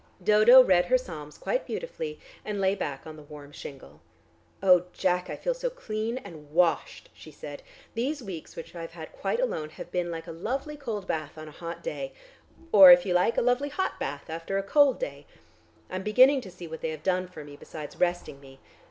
Dodo read her psalms quite beautifully, and lay back on the warm shingle. "Oh, Jack, I feel so clean and washed," she said. "These weeks which I've had quite alone have been like a lovely cold bath on a hot day, or, if you like, a lovely hot bath after a cold day. I'm beginning to see what they have done for me, besides resting me.